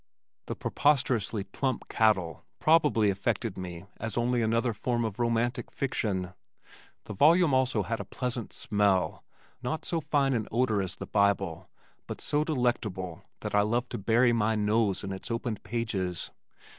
The preposterously plump cattle probably affected me as only another form of romantic fiction. The volume also had a pleasant smell, not so fine an odor as the Bible, but so delectable that I loved to bury my nose in its opened pages.